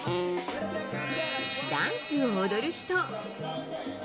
ダンスを踊る人。